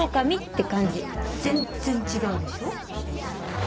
全っ然違うでしょ？